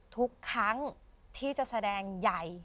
ทุกครั้งที่จะแสดงใหญ่